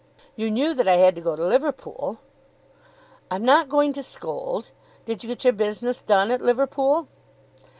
"You knew that I had to go to Liverpool." "I'm not going to scold. Did you get your business done at Liverpool?"